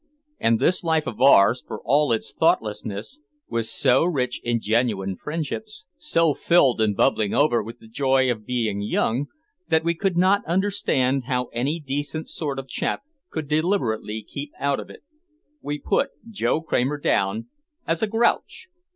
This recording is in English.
And this life of ours, for all its thoughtlessness, was so rich in genuine friendships, so filled and bubbling over with the joy of being young, that we could not understand how any decent sort of chap could deliberately keep out of it. We put Joe Kramer down as a "grouch."